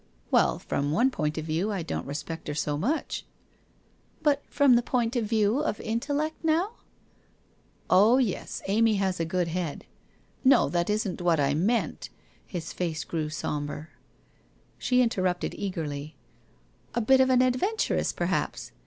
Well, from one point of view I don't re spect her so much !'' But from the point of view of intellect, now ?'' Oh, yes, Amy has a good head. No, that isn't what I meant.' His face grew sombre. She interrupted eagerly: 'A bit of an adventuress, perhaps?